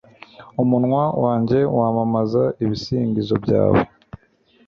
Umunwa wanjye wamamaza ibisingizo byawe